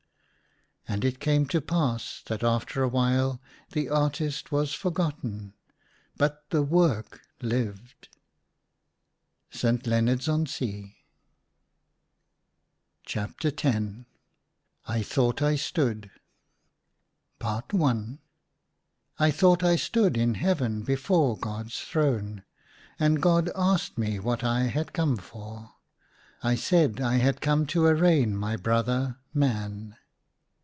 " And it came to pass that after a while the artist was forgotten — but the work lived. St. Leonards on Sea. \"/ THOUGHT I STOOD."* «/ THOUGHT I STOODr I. THOUGHT I stood in Heaven before God's throne, and God asked me what I had come for. I said I had come to arraign my brother, Man.